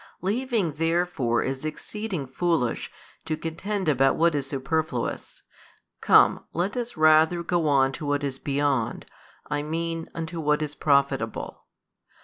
Leaving therefore as exceeding foolish to contend about what is superfluous, come let us rather go on to what is beyond, I mean unto what is profitable.